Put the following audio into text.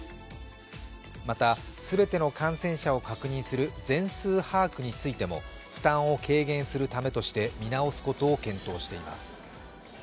また、全ての感染者を確認する全数把握についても負担を軽減するためとして見直すことを検討しています。